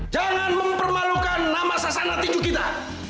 jangan mempermalukan nama sasana tinju kita